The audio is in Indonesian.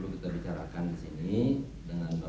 ini buat tambah tambah tabungan kamu